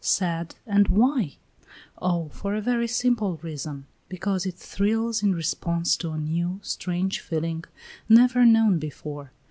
"Sad! and why?" "Oh, for a very simple reason! Because it thrills in response to a new, strange feeling, never known before.